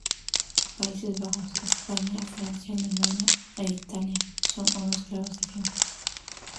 Países Bajos, España, Francia, Alemania e Italia son unos claros ejemplos.